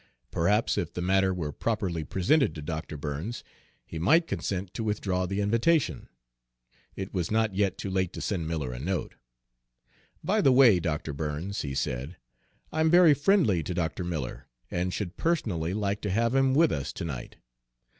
Perhaps if the matter were properly presented to Dr. Burns, he might consent to withdraw the invitation. It was not yet too, late to send Miller a note. "By the way, Dr. Burns," he said, "I'm very friendly to Dr. Miller, and should personally like to have him with us to night.